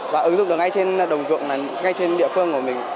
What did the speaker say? và ứng dụng được ngay trên đồng dụng ngay trên địa phương của mình